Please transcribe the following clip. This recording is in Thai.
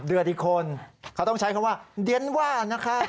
เดือดอีกคนเขาต้องใช้คำว่าเดียนว่านะคะ